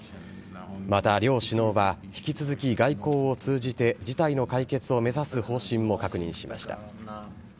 また、両首脳は引き続き外交を通じて事態の解決を目指す方針を確認しました。